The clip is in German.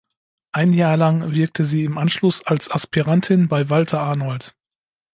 Ein Jahr lang wirkte sie im Anschluss als Aspirantin bei Walter Arnold.